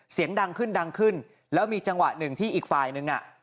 เสียงดังขึ้นดังขึ้นแล้วมีจังหวะหนึ่งที่อีกฝ่ายนึงอ่ะ